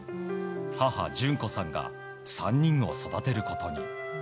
母・淳子さんが３人を育てることに。